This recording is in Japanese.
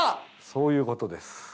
そういうことです。